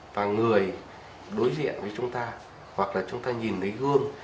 và người đối diện với chúng ta hoặc là chúng ta nhìn thấy gương